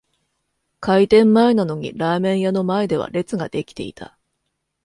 開店前なのにラーメン屋の前では列が出来ていた